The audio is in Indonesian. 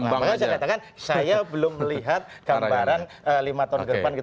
makanya saya katakan saya belum melihat gambaran lima tahun ke depan